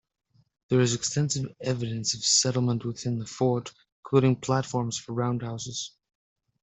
There is extensive evidence of settlement within the fort, including platforms for roundhouses.